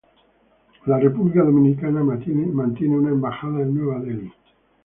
La República Dominicana mantiene una Embajada en Nueva Delhi.